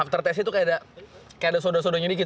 setelah tes itu kayak ada sodanya sedikit